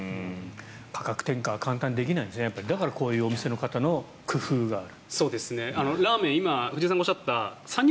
価格転嫁は簡単にできないのでこういうお店の方の工夫がある。